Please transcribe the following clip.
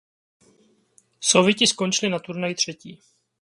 Sověti skončili na turnaji třetí.